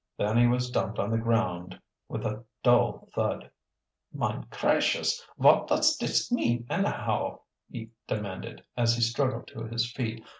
Then he was dumped on the ground with a dull thud. "Mine cracious! vot does dis mean annahow"? he demanded, as he struggled to his feet.